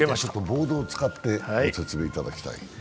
ボードを使って説明いただきたい。